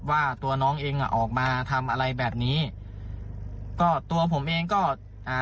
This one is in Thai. ว่าตัวน้องเองอ่ะออกมาทำอะไรแบบนี้ก็ตัวผมเองก็อ่า